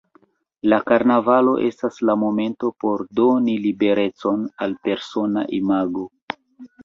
La Karnavalo estas la momento por doni liberecon al persona imago.